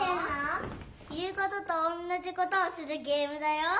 いうこととおんなじことをするゲームだよ。